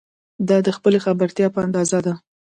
دا د خپلې خبرتیا په اندازه ده.